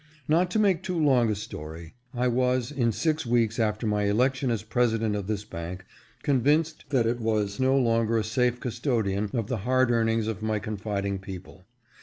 Not to make too long a story, I was, in six weeks after my election as president of this bank, convinced that it was no longer a safe custodian of the hard earnings of my confiding people.